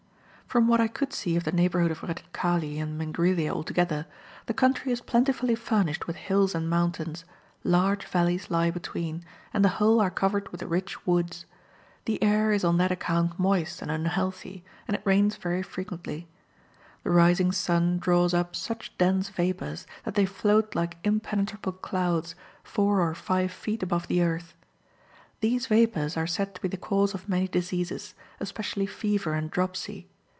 From what I could see of the neighbourhood of Redutkale and Mingrelia altogether, the country is plentifully furnished with hills and mountains, large valleys lie between, and the whole are covered with rich woods. The air is on that account moist and unhealthy, and it rains very frequently. The rising sun draws up such dense vapours, that they float like impenetrable clouds, four or five feet above the earth. These vapours are said to be the cause of many diseases, especially fever and dropsy.